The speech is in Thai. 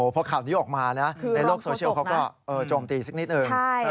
พอข่าวนี้ออกมานะในโลกโซเชียลเขาก็โจมตีสักนิดหนึ่ง